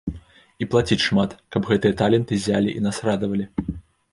І плаціць шмат, каб гэтыя таленты ззялі і нас радавалі.